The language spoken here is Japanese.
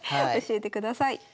教えてください。